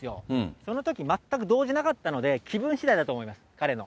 そのとき、全く動じなかったので、気分しだいだと思います、彼の。